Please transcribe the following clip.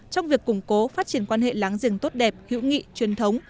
trong việc củng cố phát triển quan hệ láng giềng tốt đẹp hữu nghị truyền thống